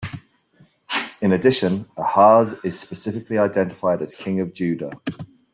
In addition, Ahaz is specifically identified as king of Judah.